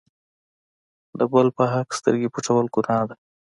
د بل په حق سترګې پټول ګناه ده.